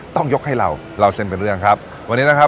ต้องยกให้เราเล่าเส้นเป็นเรื่องครับวันนี้นะครับ